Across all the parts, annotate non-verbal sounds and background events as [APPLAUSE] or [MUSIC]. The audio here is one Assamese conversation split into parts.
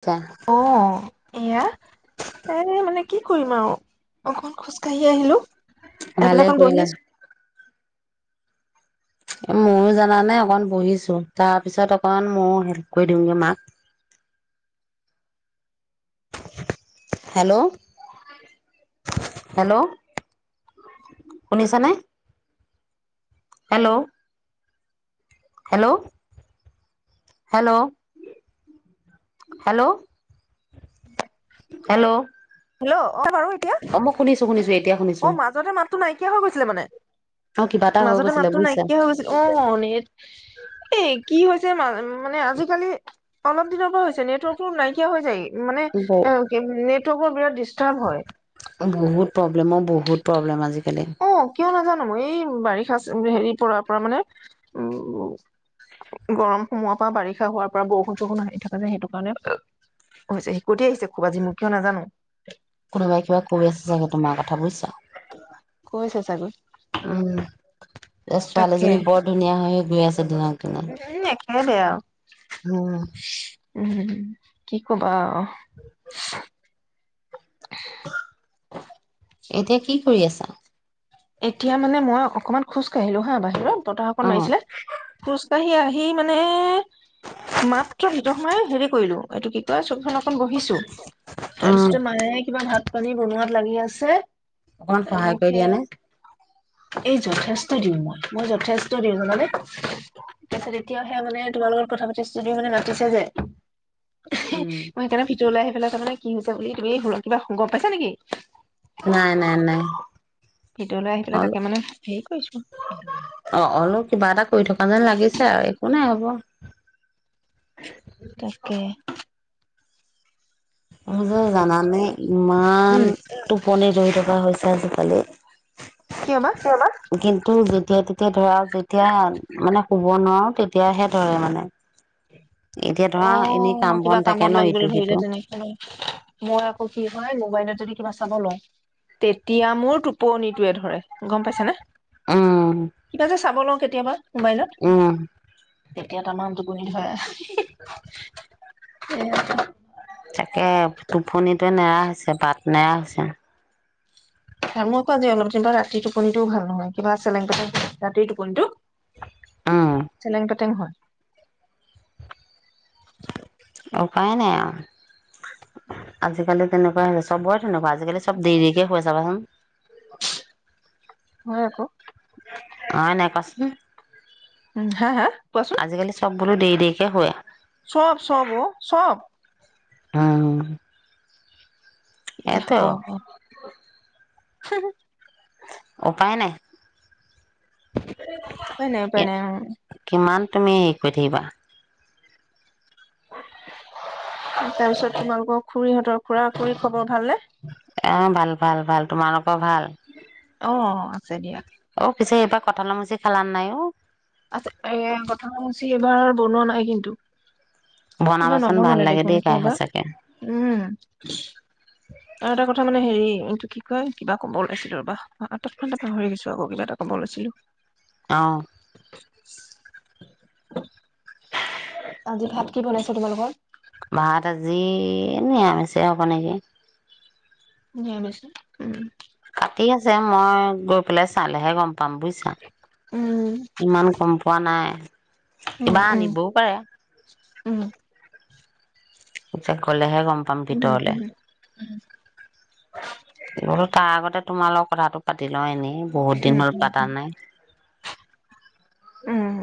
আচ্ছা অ' এয়া এই মানে কি কৰিম আৰু অকমান খোজকাঢ়ি আহিলো। আহি পেলাই ভালে অকণ বহি কৰিলা। আছো। ময়ো জানা নাই অকণ বহিছো তাৰ পিছত অকন ময়ো হেল্প কৰি দিমগে মাক। হেল্ল' হেল্ল' শুনিছানে? Hello. Hello. Hello hello hello. Hello. অ', বাৰু এতিয়া অ' মই শুনিছো-শুনিছো এতিয়া শুনিছো। তটো নাইকিয়া হৈ গৈছিলে মানে। অ কিবা এটা হৈ মাজতে গৈছিলে মাতটো বুজিছা নাইকিয়া হৈ গৈছিল অ', নি এ কি হৈছে ম মানে আজিকালি। অলপ দিনৰ পৰা হৈছে নেটৱৰ্কটো নাইকিয়া হৈ যায় মানে ব নেটৱৰ্ক বিৰাত ডিষ্ট বহুত প্ৰব্লেম ও বহুত। প্ৰব্লেম আজি অ', কিয় নাজানো মই এই এই বাৰিষা হেৰি পৰাৰ পৰা মানে উম গৰম সোমোৱাৰ পৰা বাৰিষা হোৱাৰ পৰা বৰষুণ চৰষুণ আহি থকা যায় সেইটো কাৰণে হৈছে হিকটি আহিছে খুব আজি মই কিয় নাজানো কোনোবাই কিবা কৈ আছে চাগে তোমাৰ কথা বুজিছা'। কৈছে চাগৈ', - উম ', -ছোৱালীজনী বৰ ধুনীয়া হয়। [UNINTELLIGIBLE] [UNINTELLIGIBLE] কেলেই আৰু,। উম উম, কি কবা আৰু [INAUDIBLE] এতিয়া কি কৰি আছা? এতিয়া মানে মই অকমান'। খোজকাঢ়িলো হা বাহিৰত। বতাহ অকন অ মাৰিছিলে। আহি-আহি মানে মাত্ৰ ভিতৰত সোমাই হেৰি কৰিলো এইটো কি কয় চকিখনত গহিছো উম তাৰপিছতে মায়ে কিবা ভাত, পানী বনোৱাত লাগি আছে', - অকমান সহায় কৰি দিয়ানে? এই যথেষ্ট দিওঁ মই, মই যথেষ্ট দিওঁ জানানে। তাৰপিছত এতিয়া সেয়া মানে তোমাৰ লগত কথা পাতিছ দি মানে মাতিছে যে, উম মই হেইকাৰণ, '- লাই আহি পেলাই তাৰমানে কি হৈছে, ' বুলি তুমি হুলত কিবা গপ পাইছা নেকি? নাই, নাই, নাই। ভিতৰলৈ আহি পেলাই তাকে অল- মানে হেৰি কৰিছো অঁ, অল কিবা এটা কৰি থকা যেন লাগিছে আৰু একো নাই হ'ব। তাকে মোৰ, যে, ' জানানে উম। ইমান টোপনি ধৰি থকা হৈছে আজি', পালে। কিয় বা? কিয়বা কিন্তু যেতিয়া তেতিয়া ধৰক। যেতিয়া মানে। শুব নোৱাৰো তেতিয়াহে ধৰে মানে'। এতিয়া ধৰা এনেই অঁ, কাম বন কিবা থাকে কামত ন ইটো লাগিবলৈ সিটো ধৰিলে তেনেকে নাই মই আকৌ কি হয় ন। মোবাইলত যদি কিবা চাব লয়, তেতিয়া মোৰ টোপনিটোয়ে ধৰে। গম পাইছা নে উম কিবা যে চাব লগা কেতিয়াবা মোবাইলত উম। তেতিয়া তামাম টু পনি ধৰে। উ [INAUDIBLE] হ হখ [UNINTELLIGIBLE] তাকে টোপনিটোৱে নেৰা হৈছে বাট নেৰা হৈছে। মোৰকো আজি অলপ দিন বা ৰাতি টোপনি ও ভাল নহয় কিবা চেলেং পেটেং ৰাতিৰ টোপনিটো উম চেলেং-পেতেং হয়। উপায় নাই আৰু আজিকালি তেনেকুৱাই [UNINTELLIGIBLE] চবৰে তেনেকুৱা আজিকালি চব দেৰি দেৰিকে হৈ [UNINTELLIGIBLE] হয় আকৌ। অ', নাই ক'চোন। উম হা হা কোৱাচোন আজিকালি চব বলো দেৰি দেৰি কে শুৱে চব চব অ', চব। অহ। কি যে হ'ব হ'ব। [INAUDIBLE] উপায় নাই। উপায় নাই এ উপায় নাই উম কিমান? তুমি কৰি থাকিবা। তাৰ পিছত তোমালোকৰ খুৰীহঁতৰ খুৰা, খুৰীৰ খবৰ ভাল নে? এহ ভাল, ভাল, ভাল, তোমালোকৰ ভাল? অ', আছে দিয়া। অ পিছে এইবাৰ কঁঠালৰ মুচি খালা নে নাই অ'? আছে এ' কঠাঁলৰ মুচি এইবাৰ বনোৱা নাই কিন্তু। এইবাৰ বনাবাচোন ভাল নবনালে লাগে দেখোন দেই খাই কিয় বা, সঁচাকে। উম। আৰু এটা কথা মানে হেৰি এইটো কি কয় কিবা ক'ব লৈছিলো ৰ'বা, তৎক্ষণাতে পাহৰি গৈছো আকৌ কিবা এটা ক'ব লৈছিলো। অ'। [INAUDIBLE] আজি ভাত কি বনাইছে তোমালোকৰ? ভাত আজি নিৰামিচে হ'ব নেকি। নিৰামিচ ন', উম। কাটি আছে মই গৈ পেলাই চালেহে গম পাম বুজিছা, উম ইমান গম পোৱা নাই। কিবা উম আনিবও পাৰে। উম। [UNINTELLIGIBLE] গ'লেহে গম পাম উম ভিতৰলে। উম উম বোলো তাৰ আগতে তোমাৰ লগত কথাটো পাতি লওঁ এনেই। বহুত উম দিন হ'ল উম পাতা উম নাই। উম।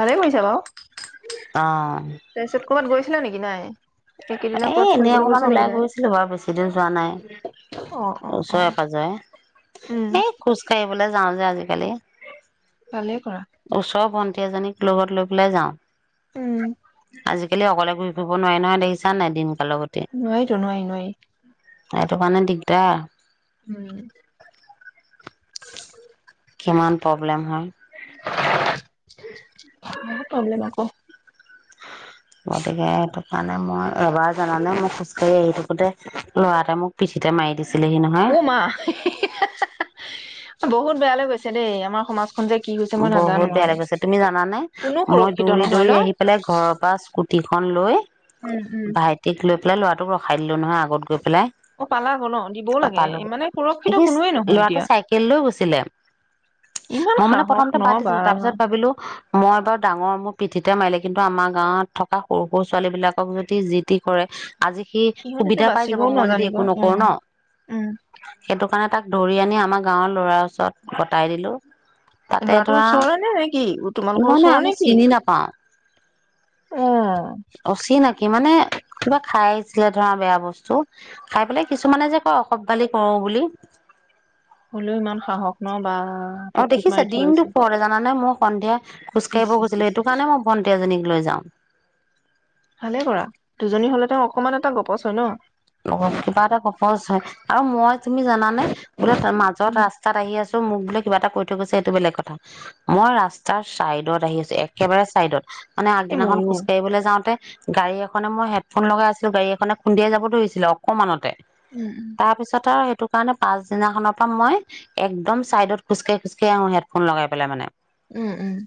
ভালেই কৰিছা বাওঁ। অ তাৰ পিছত ক'বাত গৈছিলা নেকি নাই? এইকেইদিনত এ ক'ৰবাত এনেই ফুৰিবলৈ গৈছা অকমান নেকি ওলাই নাই গৈছিলো বাৰু বেছি দিন যোৱা নাই অ অ অ ওচৰে উম পাজৰে এই খোজ কাঢ়ি যাওঁ যে আজিকালি। ভালে ওচৰত এজনীক লগত লৈ পেলাই যাওঁ। উম আজি কেলে অকলে ঘূৰি ফৰিব নোৱাৰি নয় দেখিছা নাই দিন নোৱাৰিতো, নোৱাৰি, নোৱাৰি। সেইটো কাৰণে দিগদাৰ। উম কিমান প্ৰব্লেম হয়। [INAUDIBLE] বহুত প্ৰব্লেম আকৌ। গতিকে সেইটো কাৰণে মই এবাৰ জানানে মই খোজ কাঢ়ি আহি থাকোতে ল'ৰা এটাই মোক পিঠিতে মাৰি দিছি উ মা [UNINTELLIGIBLE] বহুত বেয়া লৈ গৈছে দেই আমাৰ সমাজ বহুত বেয়া লাগিছে তুমি জানা নে কোনো মই সুৰক্ষিত দৌৰি নহয় দৌৰি ন আহি পেলাই ঘৰৰ পৰা স্কু টিখন লৈ উম উম ভাইটিক লৈ পেলাই ল'ৰা ৰখাই দিলোঁ নহয় আগত গৈ পেলাই অ পালাব ন দিবও অ লাগে পালো ইমানে সুৰক্ষিত সি কোনোৱে নহয় ল'ৰাটো এতিয়া চাইকেল লৈ গৈছিলে ইমান মই মানে সাহস! প্ৰথমতে ন বাদ বা দিছিলো তাৰ পিছত ভাবিলো মই বাৰু ডাঙৰ মোৰ পিঠিতে মাৰিলে কিন্তু আমাৰ গাঁৱত থকা সৰু সৰু ছোৱালী বিলাকক যদি যি টি কৰে আজি সি সিহঁতেতো সুবিধা পাই যাব বাচিবও মই যদি নাজানিব একো নকৰোঁ উম ন' সেইটো কাৰণে তাক ধৰি আনি আমাৰ গাঁৱৰ ল'ৰাৰ ওচৰত গটাই দিলো। তাতে ল'ৰাটোৰ ধৰা ওচৰৰে নে নেকি তোমালোকৰ মানে ওচৰে আমি নেকি? চিনি নাপাও অ অচিনাকি মানে কিবা খাই আহিছিলে ধৰা বেয়া বস্তু, খাই পেলাই কিছুমানে যে কয় অসভ্যালি কৰো বুলি। হ'লেও ইমান সাহস নাই। অ দেখিছে দিনতো দুপৰতে জানা নে মোক সন্ধিয়া। খোজ ইচ কাঢ়িব ইচ গৈছিলো, ইচ সেইটো ইচ কাৰণে মই ভটি এজনীক লৈ যাওঁ। ভালে কৰা দুজনী হলে তেওঁ অকমান এটা গপচ হয় ন। কিবা এটা কপচ হয় আৰু মই তুমি জানানে বোলে ত মাজত উম ৰাস্তাত আহি আছো মোক বোলে কিবা এটা কৈ থৈ গৈছে এইটো বেলেগ কথা মই ৰাস্তাৰ চাইডত আহি আছো একেবাৰে চাইডত। মানে এই আগদিনাখন ময়ো খোজ কাঢ়িবলৈ যাওঁতে গাড়ী এখনে মই হেডফোন লগাই আছো গাড়ী এখনে খুন্দিয়াই যাব ধৰিছিল ছিলে অকণমানতে। উম উম তাৰপিছত আৰু সেইটো কাৰণে পাছদিনাখনৰ পৰা মই একদম চাইডত খোজ কাঢ়ি খোজ কাঢ়ি আহো হেডফোন লগাই পেলাই মানে। উম উম।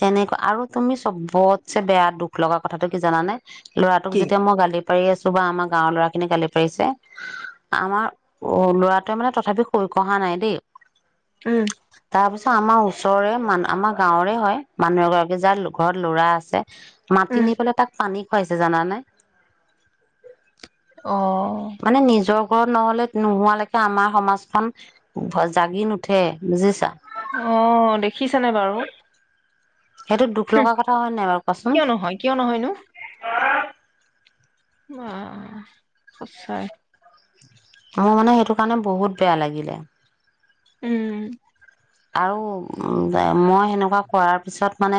তেনেকা আৰু তুমি চবতছে বেয়া দুখ লগা কথাটো কি জানানে? ল'ৰাটোক কি যেতিয়া মই গালি পাৰি আছো বা আমাক গাঁৱৰ ল'ৰা খিনি গালি পাৰিছে আমাৰ ল'ৰাটোৱে মানে তথাপি শৈ কহা নাই দেই। উম। তাৰ পিছত আমাৰ ওচৰৰে মান আমাৰ গাঁওৰে হয় মানুহ এগৰাকী যাৰ ঘৰত ল'ৰা আছে। উম মাটি নি পেলাই তাক পানী খুৱাইছে জানা নে। অহ। মানে নিজৰ ঘৰত নহলে নোহোৱালৈকে আমাৰ সমাজখন জাগি নুঠে বুজিছা। অহ দেখিছানে বাৰু। সেইটো দুখ হুম লগা কথা হয় নাই বাৰু কোৱাচোন। কিয় নহয় কিয় নহয়নো অহ সঁচাই। মোৰ মানে সেইটো কাৰণে বহুত বেয়া লাগিলে। উম। আৰু উ মই হেনেকুৱা কৰাৰ পিছত মানে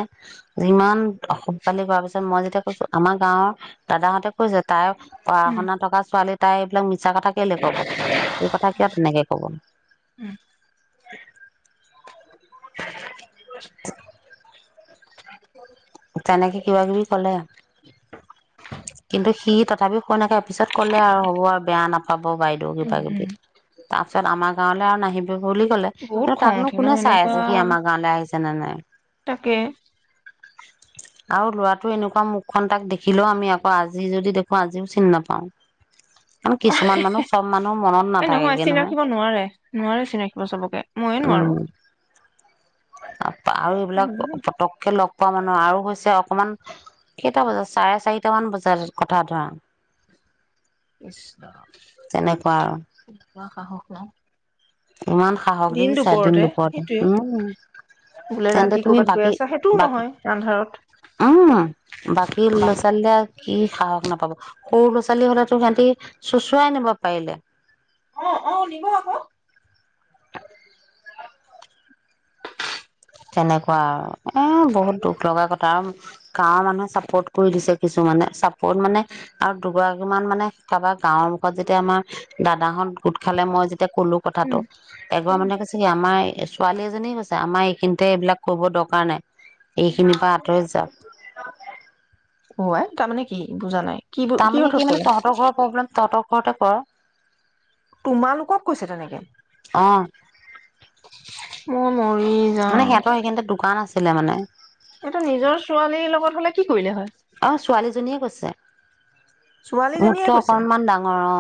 যিমান অসভালি কৰাৰ পিছত মই যেতিয়া কৈছো আমাৰ গাঁৱৰ দাদাহঁতে কৈছে তাই পঢ়া উম শুনা থকা ছোৱালী। টাই মিছা কথা কেলে ক'ব এই কথা কিয় তেনেকে কব। উম। উম [UNINTELLIGIBLE] তেনেকে কিবা কিবি ক'লে। কিন্তু সি তাত তথাপি শৈ নাকে পিছত ক'লে আৰু হ'ব আৰু বেয়া নাপাব হ'ব বাইদেউ কিবা উম উম কিবি তাৰপিছত আমাৰ গাঁৱলৈ আৰু নাহিবো বুলি ক'লে বহুত কিন্তু খং তাকনো উঠে ন কোনে চাই এনেকুৱা আছে সি আমাৰ গাঁৱলৈ আহিছে নে নাই তাকে আৰু লৰাটো এনেকুৱা মুখখন তাক দেখিলেও আমি আকৌ আজি যদি দেখো আজিও চিনি নাপাওঁ আৰু কিছুমান মানুহ চব মানুহ মনত এ নহয় নাথাকেগে চিন ৰাখিব নোৱাৰে নোৱাৰে চিন ৰাখিব চবকে ময়ো নোৱাৰো আৰু এইবিলাক পতককে লগ পোৱা মানুহ আৰু হৈছে অকমান কেইটা বজাত চাৰে চাৰিটা মান বজাত কথা ধৰা কৃষ্ণ তেনেকুৱা আৰু সাহস নাই ইমান সাহস দেখিছা দিন দুপৰতে সেইটোয়ে উম বোলে তেন্তে ৰাতি তুমি কৰ'বাত গৈ বাকী আছা সেইটোও বাকী নহয় আন্ধাৰত উম বাকী ল'ৰা ছোৱালী কি সাহস নাপাব সৰু ল'ৰা ছোৱালী হলেতো সিহঁতি চোচুৱাই নিব পাৰিলে অ অ নিব আকৌ তেনেকুৱা আৰু এ বহুত দুখ লগা কথা আৰু গাঁৱৰ মানুহে চাপোৰ্ট কৰি দিছে কিছু মানে চাপোৰ্ট মানে আৰু দুগৰাকী মান মানে কাৰোবাৰ গাঁৱৰ মুখত যেতিয়া আমাৰ দাদাহত গোট খালে মই যে এতিয়া ক'লো কথাটো উম এগৰা উম মানুহে কৈছে কি আমাৰ ছোৱালী এজনী কৈছে আমাৰ এই খিনিত দে এইবিলাক কব দৰকাৰ নাই এইখিনিৰ পৰা আঁতৰি যা অ আই তাৰ মানে কি বুজা নাই কি তাৰমানে অৰ্থত কি মানে কলে তহঁতৰ ঘৰৰ প্ৰব্লেম তহতৰ ঘৰতে কৰা তোমালোকক কৈছো তেনেকে অ ম মানে সিহঁতৰ সেইিনতে দোকান আছে তেনে মানে এইটো নিজৰ ছোৱালীৰ লগত হলে কি কৰিলে হয়। অ ছোৱালীজনীয়ে কৈছে তে ছোৱালীজনীয়ে মোতকে কৈছে। অকনমান ডাঙৰ অ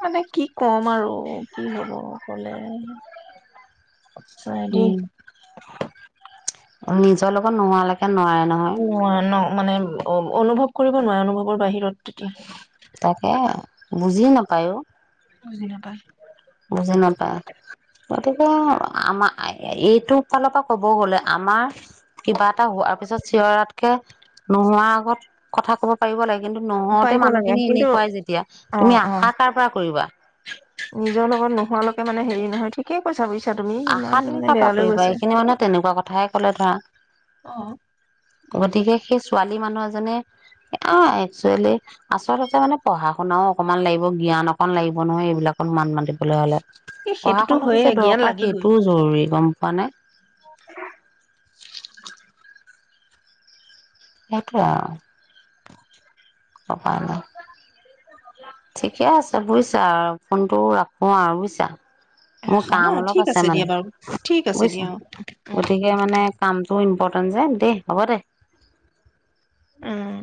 মানে কি কম আৰু কি হব কলে চৰি দে নিজৰ লগত নোহালৈকে নোৱাৰে নহয় নোৱাৰা ন মানে অ অনুভৱ কৰিব নোৱাৰে অনুভৱৰ বাহিৰত তেতিয়া তাকে বুজি নাপায়ো বুজি নাপায় বুজি নাপায় গতিকে আমাৰ এইটো ফালৰ পৰা কব গলে আমাৰ কিবা এটা হোৱাৰ পিছত চিঞৰাতকে নোহোৱাৰ আগত কথা কব পাৰিব লাগে কিন্তু নহওতে পাৰিব লাগে মানুহখিনি কিন্তু এনেক খুৱাই যেতিয়া অ তুমি অ আশা কাৰ পৰা কৰিবা নিজৰ লগত নোহোৱালৈকে মানে হেৰি নহয় ঠিকেই কৈছা বুজিছ আশা তুমি কাৰ পৰা কৰিবা এইখিনি মানে তেনেকুৱা কথাহে ক'লে ধৰা অ গতিকে সেই ছোৱালীমানুহ এজনে অ', একচুৱেলি আচলতে মানে পঢ়া শুনাও অকনমান লাগিব জ্ঞান অকন লাগিব নহয় এইবিলাকত মান মাতি হ'লে এই পঢ়া সেইটোতো শুনাটো হয়ে যে জ্ঞান দৰকাৰ লাগিবই সেইটোও জৰুৰী গম মানে। সেইটোৱে আৰু। ঠিকে আছে বুজিছা ফোনটো ৰাখো আৰু বুজিছা। মোৰ ৰাখা কাম ন অলপ ঠিক আছে মানে দিয়া বাৰু ঠিক আছে বুজিছা দিয়া অ উম উম গতিকে মানে কামটো ইম্পৰটে এক্সাম দে, হ'ব দে। উম